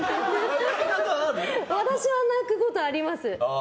私は泣くことあります。